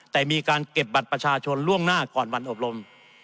แต่มีการเก็บบัตรประชาชนล่วงหน้าก่อนวันอบรม